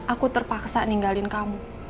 aku terpaksa ninggalin kamu